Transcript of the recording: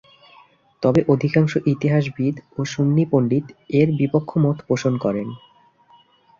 তবে অধিকাংশ ইতিহাসবিদ ও সুন্নি পণ্ডিত এর বিপক্ষ মত পোষণ করেন।